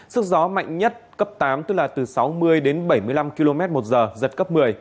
sức gió mạnh nhất cấp tám tức là từ sáu mươi đến bảy mươi năm km một giờ giật cấp một mươi